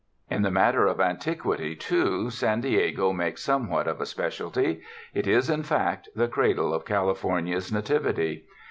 In the matter of antiquity, too, San Diego makes somewhat of a specialty. It is, in fact, the cradle of California's nativity.